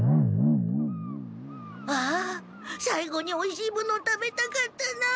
ああさいごにおいしいもの食べたかったなあ。